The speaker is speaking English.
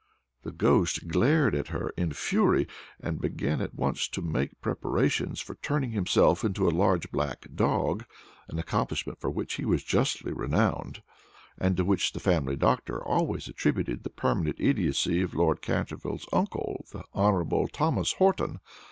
The ghost glared at her in fury, and began at once to make preparations for turning himself into a large black dog, an accomplishment for which he was justly renowned, and to which the family doctor always attributed the permanent idiocy of Lord Canterville's uncle, the Hon. Thomas Horton.